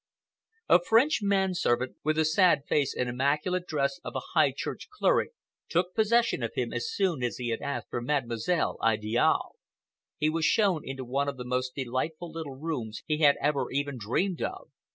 A French man servant, with the sad face and immaculate dress of a High Church cleric, took possession of him as soon as he had asked for Mademoiselle Idiale. He was shown into one of the most delightful little rooms he had ever even dreamed of.